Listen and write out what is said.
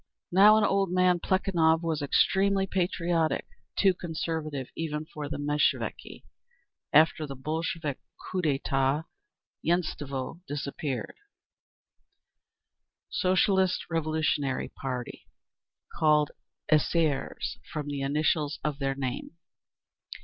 Now an old man, Plekhanov was extremely patriotic, too conservative even for the Mensheviki. After the Bolshevik coup d'etat, Yedinstvo disappeared. 5. Socialist Revolutionary party. Called Essaires from the initials of their name.